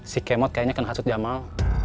si kemot kayaknya kena khasut jamal